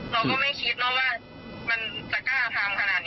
เราก็ไม่คิดนะว่ามันจะกล้าทำขนาดนี้